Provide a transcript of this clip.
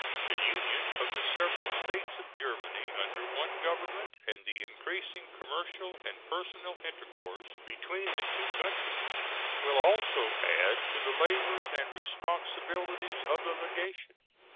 The union of the several States of Germany under one Government and the increasing commercial and personal intercourse between the two countries will also add to the labors and the responsibilities of the legation.